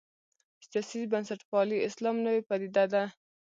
سیاسي بنسټپالی اسلام نوې پدیده ده.